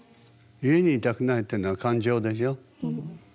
家に居たくないっていうのは感情でしょ。